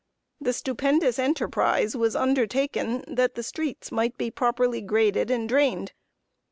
The stupendous enterprise was undertaken that the streets might be properly graded and drained.